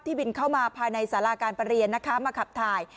บินเข้ามาภายในสาราการประเรียนนะคะมาขับถ่าย